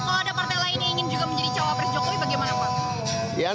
kalau ada partai lain yang ingin juga menjadi calon wakil presiden jokowi bagaimana pak